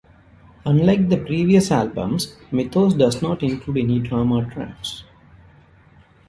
Unlike the previous albums, "Mythos" does not include any drama tracks.